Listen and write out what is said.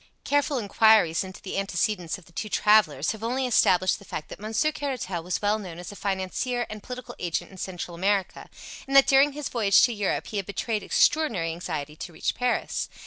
Careful inquiries into the antecedents of the two travellers have only established the fact that Monsieur Caratal was well known as a financier and political agent in Central America, and that during his voyage to Europe he had betrayed extraordinary anxiety to reach Paris.